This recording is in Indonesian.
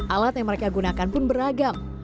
alat yang mereka gunakan pun beragam